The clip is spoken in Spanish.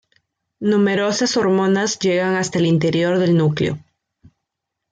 Numerosas hormonas llegan hasta el interior del núcleo.